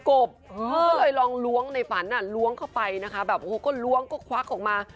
ก็เลยลองล้วงในฝันล้วงเข้าไปนะคะแบบโอ้โหก็ล้วงก็ควักออกมา